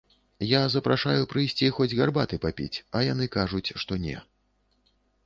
Я запрашаю прыйсці хоць гарбаты папіць, а яны кажуць, што не.